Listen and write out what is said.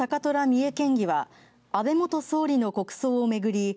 三重県議は安倍元総理の国葬を巡り